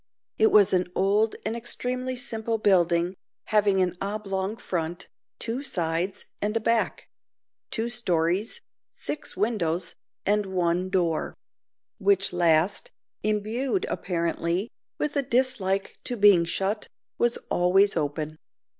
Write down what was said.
It was an old and extremely simple building, having an oblong front, two sides, and a back; two stories, six windows, and one door; which last, imbued, apparently, with a dislike to being shut, was always open.